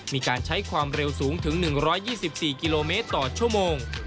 มีการใช้ความเร็วสูงถึง๑๒๔กิโลเมตรต่อชั่วโมง